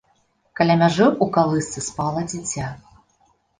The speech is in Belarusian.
Каля мяжы ў калысцы спала дзіця.